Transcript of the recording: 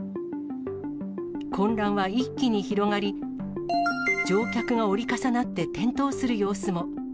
混乱は一気に広がり、乗客が折り重なって転倒する様子も。